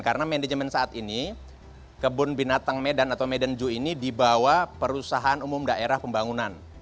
karena manajemen saat ini kebun binatang medan atau medan zoo ini dibawa perusahaan umum daerah pembangunan